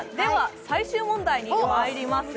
最終問題に入ります。